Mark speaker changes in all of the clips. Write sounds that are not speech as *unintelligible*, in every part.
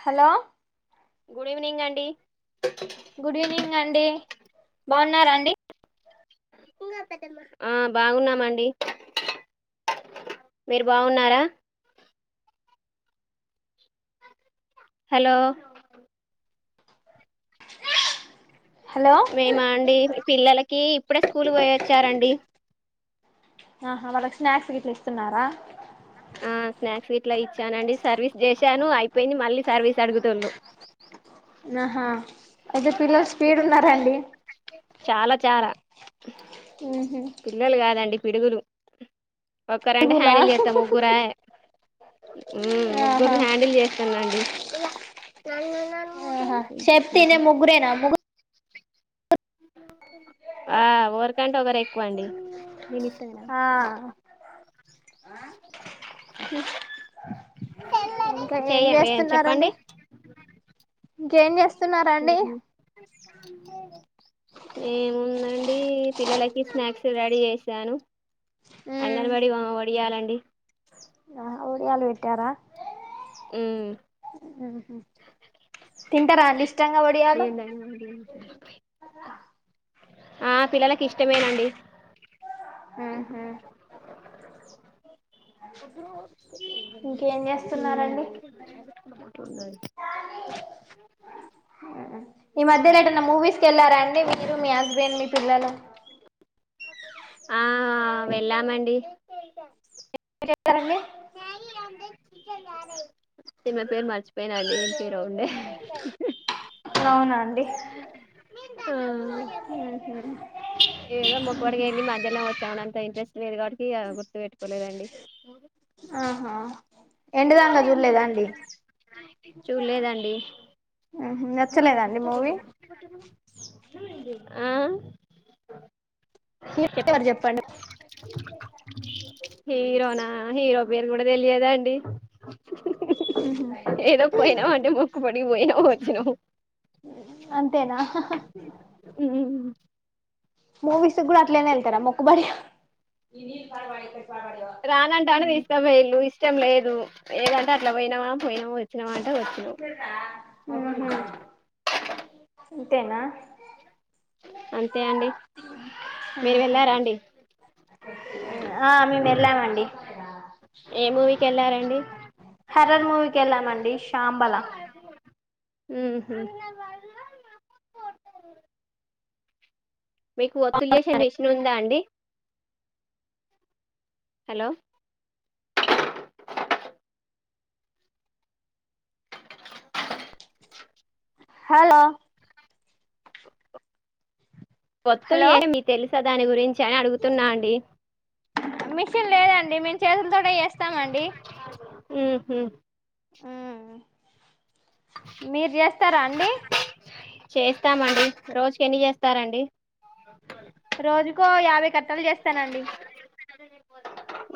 Speaker 1: Hello
Speaker 2: good evening అండి
Speaker 1: good evening అండి బాగున్నారా అండి
Speaker 2: ఆ బాగున్నామండి మీరు బాగున్నారా హలో
Speaker 1: హలో
Speaker 2: మేము అండి పిల్లలకి ఇప్పుడే స్కూల్ పోయి వచ్చారండి
Speaker 1: ఆహా వాళ్ళకి స్నాక్స్ గిట్లా ఇస్తున్నారా
Speaker 2: ఆ స్నాక్స్ ఇట్లా ఇచ్చానండి సర్వీస్ చేసాను అయిపోయింది మళ్ళీ సర్వీస్ అడుగుతుళు
Speaker 1: నాహా అయితే పిల్లలు స్పీడ్ ఉన్నారాండి
Speaker 2: చాలా చాలా పిల్లలు కాదండి పిడుగురు ఒకరు అంటి
Speaker 1: గులా
Speaker 2: హ్యాంల్ చేస్తాం ముగ్గుర
Speaker 1: ఆహా
Speaker 2: ముగ్గురిని హ్యాండిల్ చేస్తానండి అ
Speaker 1: ఆహా చెప్తే విని ముగ్గురేనా ముగు
Speaker 2: ఆ ఒకరికంటే ఒకరు ఎక్కువ అండి విన్
Speaker 1: ఆ
Speaker 2: *inaudible*
Speaker 1: ఇంకా ఏం
Speaker 2: చెయ
Speaker 1: చేస్తున్నారండి ఇంకేం చేస్తున్నారండి
Speaker 2: ఉహు ఏముందండి పిల్లలకి స్నాక్స్ రెడీ చేశాను అంగన్వాడి వడియాలండి
Speaker 1: ఆ ఒడియాలు పెట్టారా
Speaker 2: ఉమ్
Speaker 1: తింటారా అండి ఇష్టంగా ఒడియాలు
Speaker 2: ఆ పిల్లలకు ఇష్టమేనండి
Speaker 1: ఉహు ఇంకేం
Speaker 2: ఉం
Speaker 1: చేస్తున్నారండి ఈ మధ్యలెటన్న మూవీస్ కి వెళ్లారా అండి మీరు *unintelligible*
Speaker 2: ఆ వెళ్ళామండి
Speaker 1: చేస్తారండి
Speaker 2: సినిమా పేరు మర్చిపోయినండి ఏం పేరో ఉండే
Speaker 1: అవునా అండి
Speaker 2: ఆ ఏదో మొక్కుబడిగా వెళ్ళి మధ్యల్నే వచ్చామండి అంతా ఇంట్రెస్ట్ మీరు కాబట్టి గుర్తు పెట్టుకోలేదండి
Speaker 1: ఆహా ఎండుదాంగా చూడలేదా అండి
Speaker 2: చూడలేదండి
Speaker 1: నచ్చలేదండి మూవీ
Speaker 2: ఆ
Speaker 1: హీరో ఎవరు చెప్పండి
Speaker 2: హీరోనా హీరో పేరు గూడా తెలియదు అండి ఏదో పోయినా అంటే మొక్కుబడి నీ వొయిన వోన్ అను
Speaker 1: అంతేనా
Speaker 2: ఉమ్
Speaker 1: మూవీస్ గూడా అట్లేనే ఎల్తరా మొక్కుబడిగ
Speaker 2: రానంటంటే దీస్కాపోయిళ్ళు ఇష్ ష్టం లేదు ఏదంటే అట్లా పోయినమా పోయినం
Speaker 1: ఉహు ఇంతేనా
Speaker 2: అంతే అండి మీరు వెళ్ళారా అండి.
Speaker 1: ఆ మేము వెళ్ళామండి
Speaker 2: ఏ మూవీకి వెళ్ళారండి
Speaker 1: హర్రర్ మూవీకి ఎళ్ళామండి శాంబలా
Speaker 2: ఉహు మీకు ఒత్తులు యేశే మిషన్ ఉందా అండి హలో
Speaker 1: హలో
Speaker 2: ఒత్తులు ఏ మీ తెలు ఇంకా దాని గురిం
Speaker 1: మిషిన్ లేదండి మేము చేతులతోటె చేస్తామండి
Speaker 2: ఉహు
Speaker 1: ఊ మీర్ జేస్తారా అండి
Speaker 2: చేస్తామండి రోజ్కి ఎన్ని జేస్తారండి.
Speaker 1: రోజుకో యాభై కట్టల్ జేస్తానండి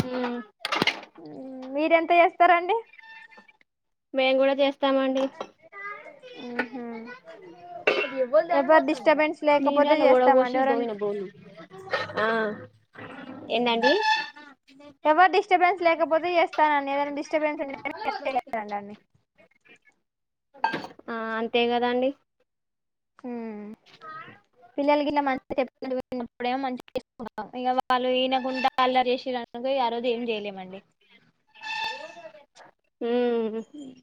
Speaker 2: ఊ
Speaker 1: మ్ మీరెంత యేస్తరండి
Speaker 2: మేం గూడ జేస్ స్త మండి
Speaker 1: ఊహు. ఎవరు డిస్టర్బెన్స్ లేకపోతే చేస్తామండి ఎవరన్నా
Speaker 2: ఎందండీ
Speaker 1: ఎవర్ డిస్టర్బెన్స్ లేకపోతే జేస్తానండి ఏదైనా డిస్టర్బెన్స్ ఉంటే *inaudible*
Speaker 2: ఆ అంతే గదండి
Speaker 1: ఊ పిల్లలకి *unintelligible* అప్పుడేమో మంచిగ చూసుకుంటా ఇగ వాళ్ళు ఇనకుండా అల్లరి చేసిర క ఆ రోజు ఏం చేయలేమండి
Speaker 2: ఉమ్
Speaker 1: హమ్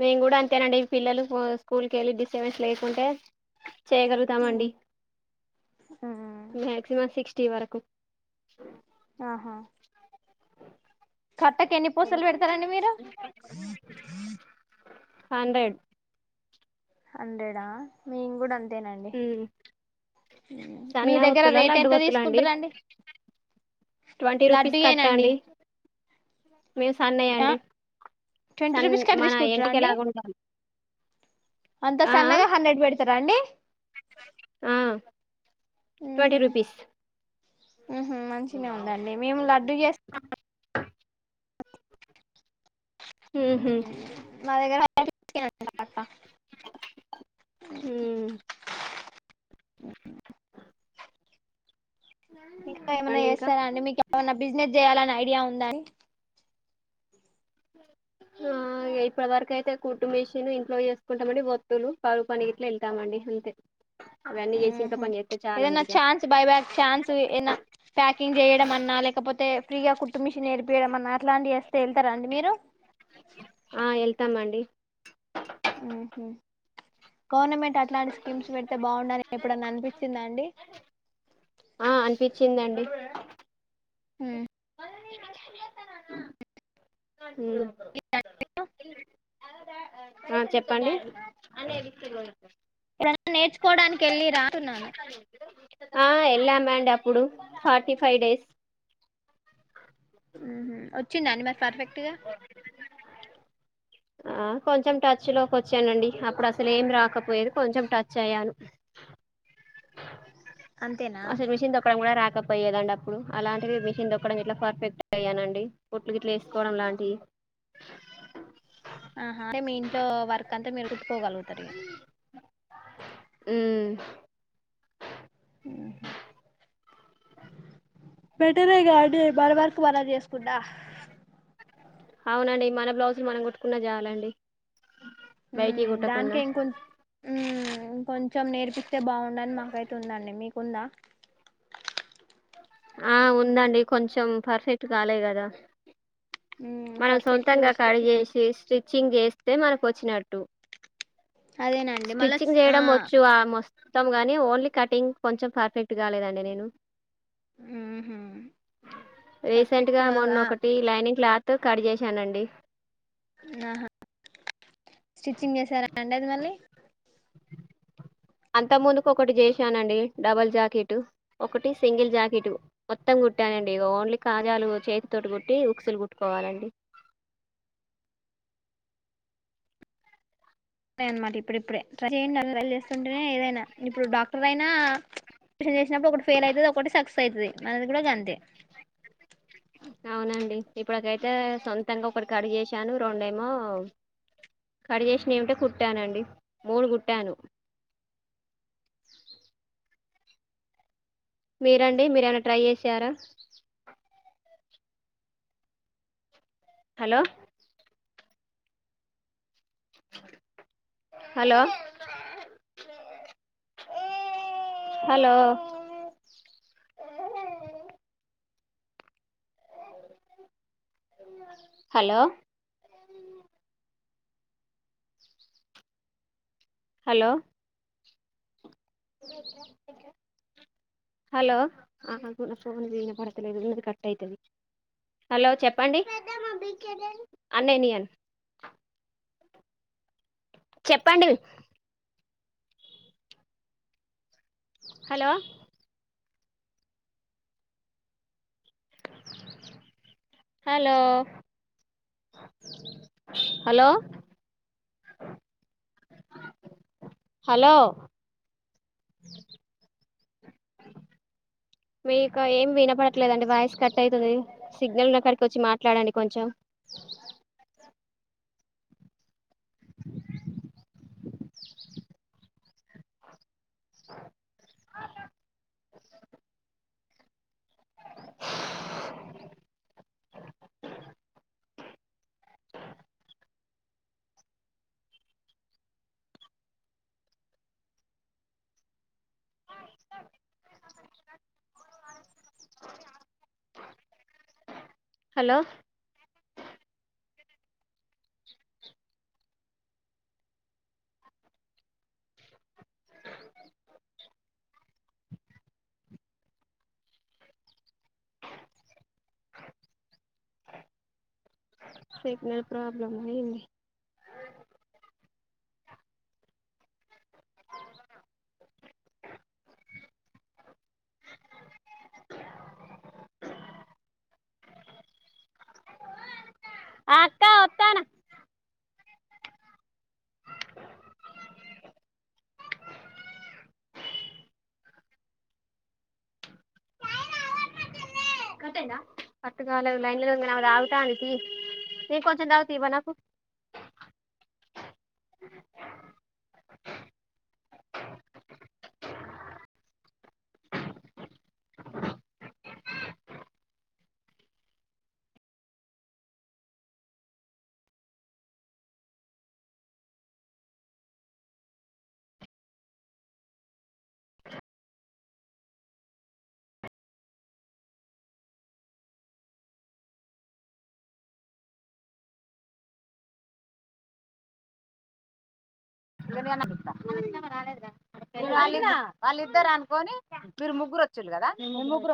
Speaker 2: మేము కూడా అంతేనండి పిల్లలు స్కూల్కి వెళ్ళి డిస్టర్బెన్స్ లేకుంటే చేయగలుగుతామండి
Speaker 1: మ్
Speaker 2: మక్సిమం సిక్స్టీ వరకు
Speaker 1: ఆహా కట్టకి ఎన్ని పూసలు పెడతారండి మీరు
Speaker 2: హండ్రెడ్
Speaker 1: హండ్రెడా మేం గుడా అం అంతేనండి మీ
Speaker 2: సన్న
Speaker 1: దగ్గర
Speaker 2: ఒత్తుల
Speaker 1: రేట్
Speaker 2: లడ్డు
Speaker 1: ఎంత
Speaker 2: ఒత్తుల అండి
Speaker 1: తీసుకుంటారండి
Speaker 2: ట్వంటీ రూపీస్ కట్ట
Speaker 1: లడ్డుయేనండి
Speaker 2: అండి మేము
Speaker 1: ఆ
Speaker 2: సన్నయండి.
Speaker 1: ట్వంటీ
Speaker 2: సన్
Speaker 1: రూపీస్ కట్ట
Speaker 2: మన
Speaker 1: తీసుకుంటారా
Speaker 2: ఏంటిగాల
Speaker 1: అండి
Speaker 2: ఉంటాం
Speaker 1: అంత
Speaker 2: ఆ
Speaker 1: సన్నగ హండ్రెడ్ బెడ్ సరండీ
Speaker 2: ఆ ట్వంటీ రూపీస్
Speaker 1: ఊహు మంచినే ఉందండి మేము లడ్డు చేస్తున్నం
Speaker 2: ఉహు
Speaker 1: మ దగ్గర *inaudible*
Speaker 2: ఉమ్
Speaker 1: ఇంకా ఏమన్న
Speaker 2: చెప్పండి ఇంకా
Speaker 1: చేస్తారా అండి మీకు ఏమన్నా బిజినెస్ జేయాలని ఐడి యా ఉందన్
Speaker 2: ఆ ఇగ ఇప్పటి వరకైతే కుట్టు మీషిన్ ఇంట్లో జేస్కుంటామండి ఒత్తులు కరువు పని గిట్లా వెళ్తామండి అంతే అవన్నీ చేసి ఇంట్లో
Speaker 1: ఉహ్మ
Speaker 2: పని
Speaker 1: ప్చ్
Speaker 2: చేస్తే
Speaker 1: ఏదన్న
Speaker 2: చాలండి ఇక
Speaker 1: ఛాన్స్ బైబ్యాక్ ఛాన్స్ ఏన్న ప్యాకింగ్ చేయడం అన్నా లేకపోతే ఫ్రీ గ కుట్ టు మిషన్ నేర్పియడం అన్నా అట్లాంటి వస్తే వెళ్తారండి మీరు
Speaker 2: ఆ వెళ్తామండి
Speaker 1: ఉహూ గవర్నమెంట్ టట్లాంటి స్కీమ్స్ పెడ్తే బావుండాలని ఎప్పుడన్నా అనిపిచ్చిందా అండి
Speaker 2: ఆ అనిపించిందండి
Speaker 1: ఉమ్
Speaker 2: హూ
Speaker 1: *inaudible*
Speaker 2: ఆ చెప్పండి
Speaker 1: ఏదన్నా నేర్చుకోవడాన్కి వెళ్ళి రాతున్నాను
Speaker 2: ఆ వెళ్ళామండి అప్పుడు ఫార్టీ ఫైవ్ డేస్
Speaker 1: ఉహుమ్ వచ్చిందా అండి మరి పర్ఫెక్ట్గా
Speaker 2: ఆ కొంచెం టచ్ లోకి వచ్చానండి అప్పుడు అస్సలేమి రాకపోయేది కొంచెం టచ్ అయ్యాను
Speaker 1: అంతేనా
Speaker 2: అసల్ మిషన్ తొక్కడం గూడా రాక్ కాపోయేదండి అప్పుడు అలాంటిది మిషన్ దొక్కడం ఇట్లా పర్ఫెక్ట్ అయ్యానండి కుట్లు గిట్లు ఏస్కోవడం లాంటివి
Speaker 1: ఆహా అంటే మీ ఇంట్లో వర్క్ అంతా మీరు కుట్టుకోగల్గుతరు ఇగ
Speaker 2: ఉమ్మ్
Speaker 1: ఉహు బెటరే గాండి మన వర్కు మనమ్ జేస్కునా
Speaker 2: అవునండి మన బ్లౌజులు మనం కుట్టుకున్న జాలండి
Speaker 1: ఉమ్ దానికే ఇంకొంచ్ ఉమ్మ్ ఉమ్ కొంచం నేర్పిస్తే బాగుండని మాకైతే ఉందండి మీకుందా?
Speaker 2: ఆ ఉందండి కొంచం పర్ఫెక్ట్ కాలే కదా
Speaker 1: ఉమ్
Speaker 2: మనం
Speaker 1: పర్ఫెక్ట్ గా
Speaker 2: సొంతంగా
Speaker 1: వస్తే
Speaker 2: కడిజెసీ స్టి చింగ్ చేస్తే మనకొచ్చినట్టు
Speaker 1: అదేనండి మళ్ళా
Speaker 2: స్టిచ్చింగ్
Speaker 1: ఆ
Speaker 2: చేయడం వొచ్చు ఆమొస్ మొత్తం గానీ ఓన్లీ కటింగ్ కొంచం పర్ఫెక్ట్ కాలేదండి నేనూ
Speaker 1: ఉహు
Speaker 2: రీసెంటు గా మొన్న ఒకటీ లైనింగ్ క్లాత్ తో కట్ చేశానండీ
Speaker 1: ఉమ్ ఆహా స్టిచ్చింగ్ చేసారా అండి అది మళ్ళీ
Speaker 2: అంత ముందుకు ఒకటి చేశానండి డబల్ జాకెటు ఒకటి సింగిల్ జాకెటు మొత్తం కుట్టానండి. ఇగ ఓన్లీ కాజాలు చేతి తోటి కుట్టీ ఉక్స్ లు కుట్టుకోవాలఅండి
Speaker 1: అదే అనమాట ఇప్పుడు ఇప్పుడే ట్రై చేయండి ట్రై చేస్తుంటేనే ఏదైనా ఇప్పుడు డాక్టరైనా ఆపరేషన్ చేసినప్పుడు ఒకటి ఫెల్ అయితది ఒకటి సక్సెస్ అయితది అది గుడ గంతే
Speaker 2: అవునండి ఇప్పటికైతే సొంతంగా ఒకటి కడ్ చేశాను రెండేమో కడ్ చేశినయ్ ఉంటే కుట్టానండి మూడు కుట్టాను. మీరండి మీరేమన్న ట్రై చేసారా hello hello hello hello hello hello అగు నా ఫోన్ వినపడతలేదు నాది కట్టయితది హలో చెప్పండి అన్నయ్యనియ్యన్ చెప్పండీ హలో హలో హలో హలో మీకా ఏమి వినపడట్లేదండీ వాయిస్ కట్టయితది సిగ్నల్ ఉన్నకాడికి వచ్చి మాట్లాడండి కొంచం హల్లో హలో సిగ్నల్ ప్రాబ్లమ్ అయింది ఆ అక్కా వొత్తాన కట్టయిందా కట్టు కాలేదు లైన్లనే ఉన్నది ఆమే తాగుతాంది టి నేను కొంచం తాగుతా ఇవ్వ నాకు రాలేదు గా వాళ్ళు ఇద్దరు అనుకొని మీరు ముగ్గురు వచ్చిళ్ళు కదా మీరు ముగ్గురు